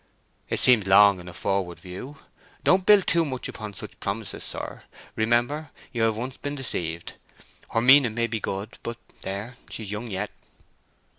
"It seems long in a forward view. Don't build too much upon such promises, sir. Remember, you have once be'n deceived. Her meaning may be good; but there—she's young yet."